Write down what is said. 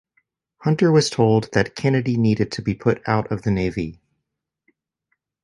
Hunter was told that Kennedy needed to be put out of the Navy.